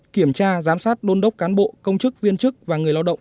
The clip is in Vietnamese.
kiểm tra giám sát đôn đốc cán bộ công chức viên chức và người lao động